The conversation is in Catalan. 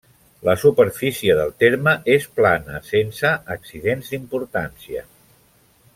La superfície del terme és plana, sense accidents d'importància.